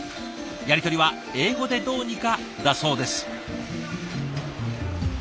やり取りは英語でどうにかだそうです。